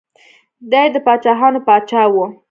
دی د پاچاهانو پاچا و.